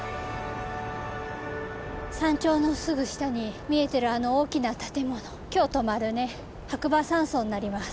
山頂のすぐ下に見えてるあの大きな建物今日泊まるね白馬山荘になります。